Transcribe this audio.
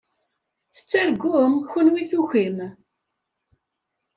Tettargum, kenwi tukim?